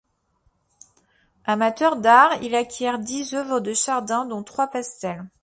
Amateur d'art, il y acquiert dix œuvres de Chardin, dont trois pastels.